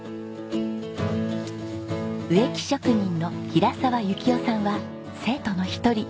植木職人の平澤行夫さんは生徒の一人。